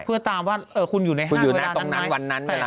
เพื่อตามว่าคุณอยู่ในห้างเวลานั้น